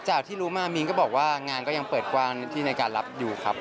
ที่รู้มามีนก็บอกว่างานก็ยังเปิดกว้างที่ในการรับอยู่ครับ